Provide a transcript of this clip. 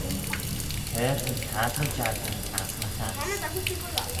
Cur yn cadley-jiargan ass my chass.